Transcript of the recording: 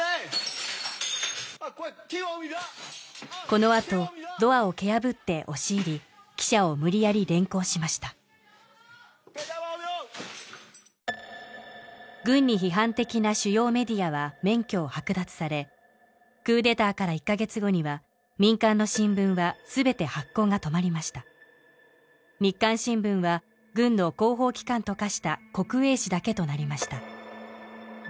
このあとドアを蹴破って押し入り記者を無理やり連行しました軍に批判的な主要メディアは免許を剥奪されクーデターから１カ月後には民間の新聞は全て発行が止まりました日刊新聞は軍の広報機関と化した国営紙だけとなりました